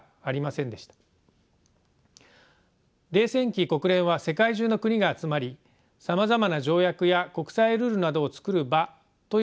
冷戦期国連は世界中の国が集まりさまざまな条約や国際ルールなどを作る場という性格が強くなりました。